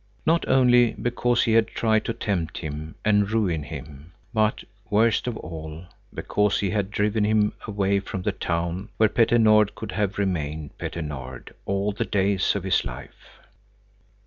Not only because he had tried to tempt him and ruin him, but, worst of all, because he had driven him away from that town, where Petter Nord could have remained Petter Nord all the days of his life.